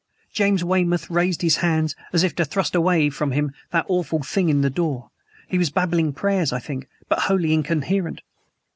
James Weymouth raised his hands, as if to thrust away from him that awful thing in the door. He was babbling prayers, I think, but wholly incoherent.